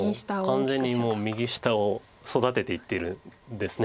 完全に右下を育てていってるんです。